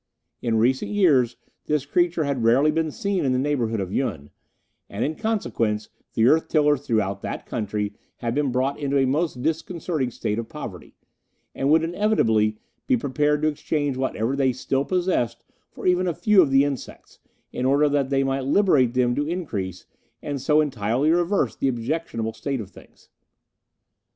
In recent years this creature had rarely been seen in the neighbourhood of Yun, and, in consequence, the earth tillers throughout that country had been brought into a most disconcerting state of poverty, and would, inevitably, be prepared to exchange whatever they still possessed for even a few of the insects, in order that they might liberate them to increase, and so entirely reverse the objectionable state of things.